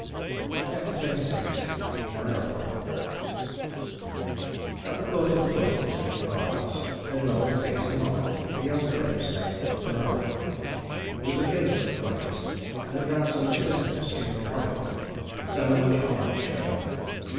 Chapter XXVI Bellerophon At the court of Prœtus, king of Argos, there dwelt as guest of honor a young prince named Bellerophon. He was a kinsman of Prœtus and a grandson of Sisyphus, king of Corinth, so much honor was shown him.